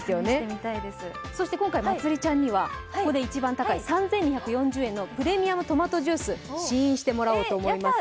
そして今回、まつりちゃんにはここで一番高い３２４０円のプレミアムトマトジュース試飲してもらおうと思います。